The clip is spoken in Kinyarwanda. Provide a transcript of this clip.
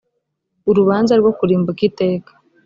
urubanza rwo kurimbuka iteka